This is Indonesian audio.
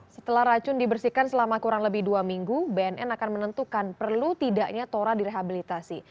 setelah racun dibersihkan selama kurang lebih dua minggu bnn akan menentukan perlu tidaknya tora direhabilitasi